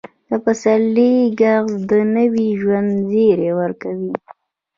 د پسرلي ږغ د نوي ژوند زیری ورکوي.